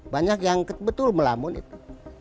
banyak yang betul melamun itu